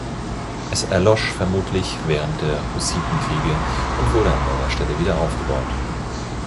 Es erlosch vermutlich während der Hussitenkriege und wurde an neuer Stelle wiederaufgebaut.